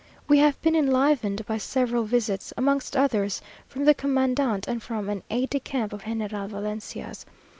We have been enlivened by several visits, amongst others, from the commandant, and from an aide de camp of General Valencia's.